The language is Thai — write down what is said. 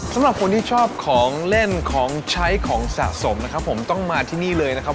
สำหรับคนที่ชอบของเล่นของใช้ของสะสมนะครับผมต้องมาที่นี่เลยนะครับ